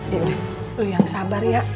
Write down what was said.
ya udah lu yang sabar ya